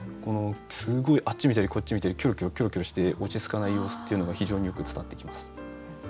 すごいあっち見たりこっち見たりキョロキョロキョロキョロして落ち着かない様子っていうのが非常によく伝わってきます。